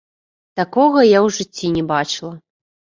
Такога я ў жыцці не бачыла.